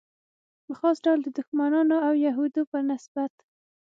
په خاص ډول د دښمنانو او یهودو په نسبت.